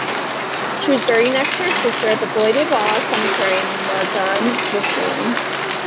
She was buried next to her sister at the Bois-de-Vaux cemetery in Lausanne, Switzerland.